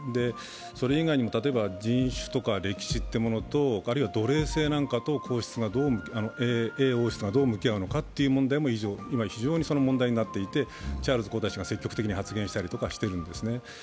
それ以外にも例えば、人種とか歴史と、あるいは奴隷制とか英王室がどう向き合うのかというのも今、非常に問題になっていてチャールズ皇太子が積極的に発言したりしているんですね。